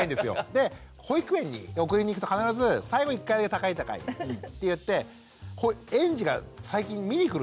で保育園に送りに行くと必ず最後一回「高い高い」って言って園児が最近見に来るんですよ。